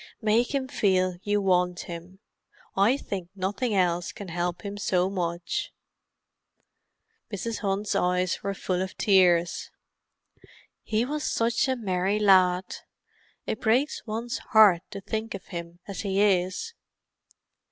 Make him feel you want him; I think nothing else can help him so much." Mrs. Hunt's eyes were full of tears. "He was such a merry lad—it breaks one's heart to think of him as he is."